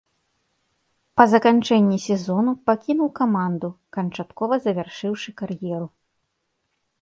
Па заканчэнні сезону пакінуў каманду, канчаткова завяршыўшы кар'еру.